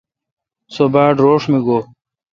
سو باڑ روݭ می گوی۔